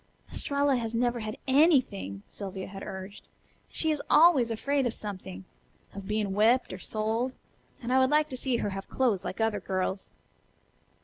"Estralla has never had ANYTHING," Sylvia had urged, "and she is always afraid of something. Of being whipped or sold. And I would like to see her have clothes like other girls."